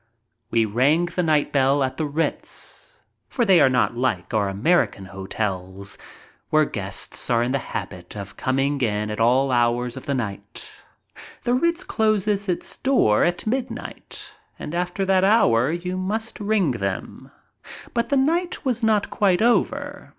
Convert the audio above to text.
We rang the night bell at the Ritz, for they are not like 76 MY TRIP ABROAD our American hotels, where guests are in the habit of coming in at all hours of the night. The Ritz closes its doors at midnight, and after that hour you must ring them. But the night was not quite over.